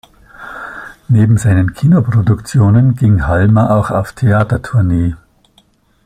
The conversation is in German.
Neben seinen Kinoproduktionen ging Halmer auch auf Theatertournee.